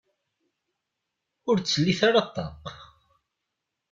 Ur leddit ara ṭṭaq.